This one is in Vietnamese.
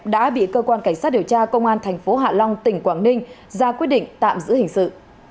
đã bị cơ quan cảnh sát điều tra công an thành phố hạ long tỉnh quảng ninh ra quyết định tạm giữ hình sự